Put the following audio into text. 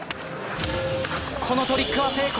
このトリックは成功！